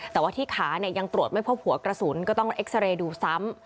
แต่ว่าที่ขายังตรวจไม่พบหัวกระสุนก็ต้องเอ็กซาเรย์ดูซ้ำ